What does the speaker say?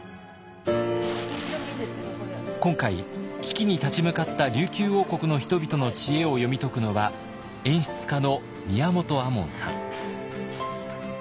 今回危機に立ち向かった琉球王国の人々の知恵を読み解くのは演出家の宮本亞門さん。